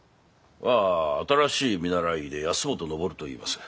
あ新しい見習い医で保本登といいます。